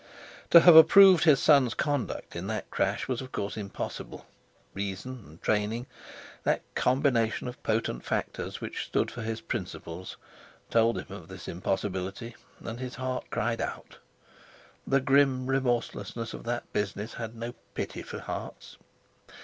To have approved his son's conduct in that crash was, of course, impossible; reason and training—that combination of potent factors which stood for his principles—told him of this impossibility, and his heart cried out. The grim remorselessness of that business had no pity for hearts.